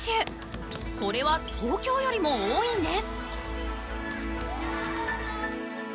これは東京よりも多いんです。